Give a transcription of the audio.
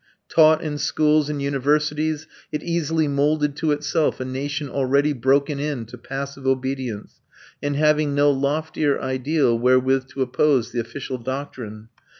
Taught in schools and universities, it easily moulded to itself a nation already broken in to passive obedience and having no loftier ideal wherewith to oppose the official doctrine.